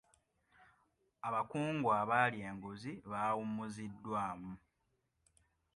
Abakungu abalya enguzi bawummuziddwamu.